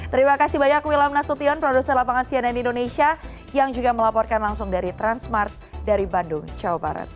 terima kasih banyak wilam nasution produser lapangan cnn indonesia yang juga melaporkan langsung dari transmart dari bandung jawa barat